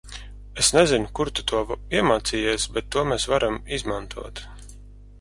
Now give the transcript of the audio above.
Es nezinu kur tu to iemācījies, bet to mēs varam izmantot.